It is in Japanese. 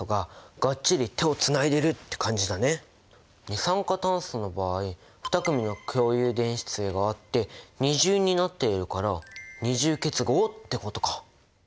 二酸化炭素の場合２組の共有電子対があって二重になっているから二重結合ってことか。